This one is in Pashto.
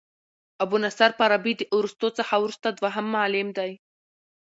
ابو نصر فارابي د ارسطو څخه وروسته دوهم معلم دئ.